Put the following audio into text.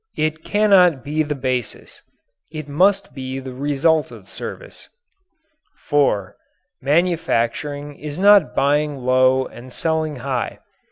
It cannot be the basis it must be the result of service. (4) Manufacturing is not buying low and selling high.